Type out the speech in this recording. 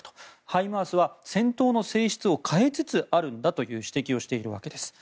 ハイマースは戦闘の性質を変えつつあるんだと指摘をしているわけです。